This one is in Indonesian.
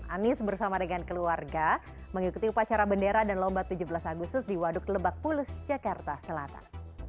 anies bersama dengan keluarga mengikuti upacara bendera dan lomba tujuh belas agustus di waduk lebak bulus jakarta selatan